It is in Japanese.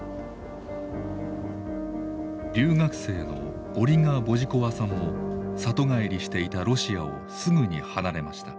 留学生のオリガ・ボジコワさんも里帰りしていたロシアをすぐに離れました。